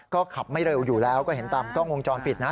ก็ขับไม่เร็วอยู่แล้วก็เห็นตามกล้องวงจรปิดนะ